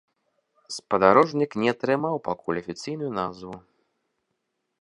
Спадарожнік не атрымаў пакуль афіцыйную назву.